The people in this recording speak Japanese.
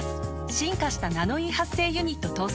進化した「ナノイー」発生ユニット搭載。